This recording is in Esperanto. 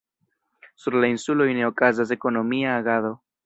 Sur la insuloj ne okazas ekonomia agado.